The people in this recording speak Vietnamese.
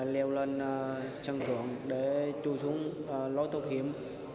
leo lên sân thượng để chui xuống lối thuốc hiếm